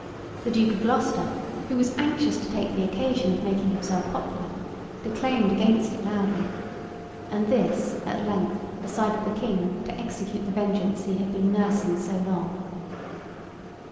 The Duke of Gloucester, who was anxious to take the occasion of making himself popular, declaimed against it loudly, and this at length decided the King to execute the vengeance he had been nursing so long.